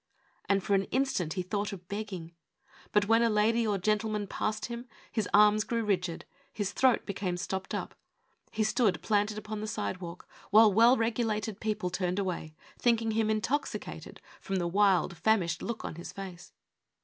And for an instant he thought of begging. But when a lady or gentleman passed him his arms grew rigid, his throat became stopped up. He stood, planted upon the sidewalk, while well regulated people turned away, thinking him intoxicated from the wild, famished look of his face.